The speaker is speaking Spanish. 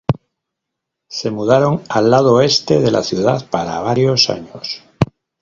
Se mudaron al lado oeste de la ciudad para varios años.